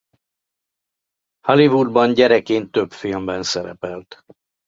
Hollywoodban gyerekként több filmben szerepelt.